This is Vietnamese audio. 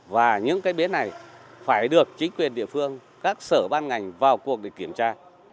và những bến này phải được chính quyền địa phương các sở ban ngành vào cuộc để kiểm tra